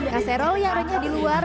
caserol yang renyah di luar